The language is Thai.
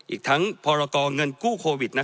อีกทั้งพรกรเงินกู้โควิด